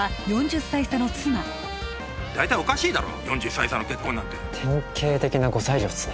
大体おかしいだろ４０歳差の結婚なんて典型的な後妻業っすね